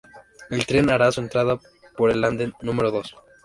El tren hará su entrada por el andén numero dos